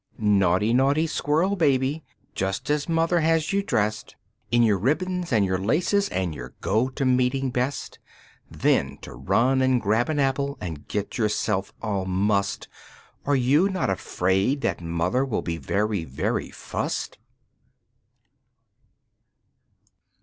Naughty, naughty Squirrel baby, just as mother has you dressed In your ribbons and your laces and your go to meeting best, Then to run and grab an apple and get yourself all mussed! Are you not afraid that mother will be very, very fussed?